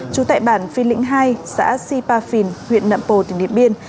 chú tại bản phi lĩnh hai xã sipa phi huyện nậm khăn tỉnh điện biên